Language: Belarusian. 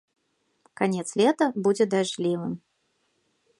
Канец лета будзе дажджлівым.